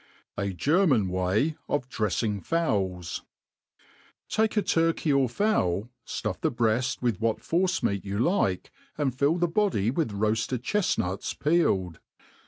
;^ A German way of drejjing Fowls. TAKE a turkey or fowl, fluff the breaft with virhzt force meat you like^ aind fill the body with roafied chefnuts peeled.